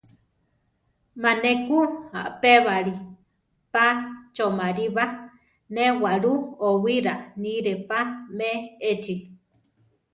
Má ne ku apébali pa choʼmarí ba; né waʼlú owíra níre pa me échi.